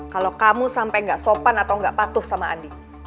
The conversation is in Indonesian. kalau kamu sampai gak sopan atau nggak patuh sama andi